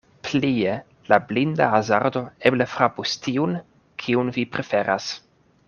Plie la blinda hazardo eble frapus tiun, kiun vi preferas.